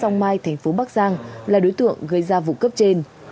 trong mai tp bắc giang là đối tượng gây ra vụ cấp trên